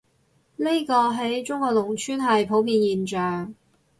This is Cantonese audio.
呢個，喺中國農村係普遍現象